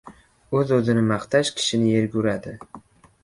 O‘z-o‘zini maqtash kishini yerga uradi.